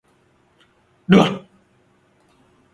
được